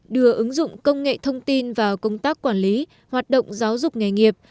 đưa ứng dụng công nghệ thông tin vào công tác quản lý hoạt động giáo dục nghề nghiệp